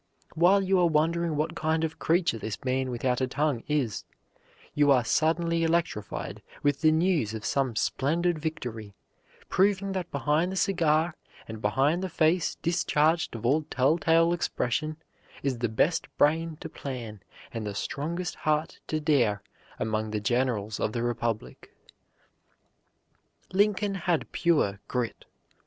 While you are wondering what kind of creature this man without a tongue is, you are suddenly electrified with the news of some splendid victory; proving that behind the cigar, and behind the face discharged of all telltale expression, is the best brain to plan and the strongest heart to dare among the generals of the Republic." Lincoln had pure "grit."